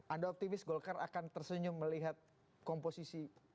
anda optimis golkar akan tersenyum melihat komposisi